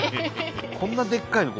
こんなでっかいのか。